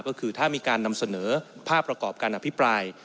ก็คือถ้ามีการนำเสนอภาพประกอบการอภิปราย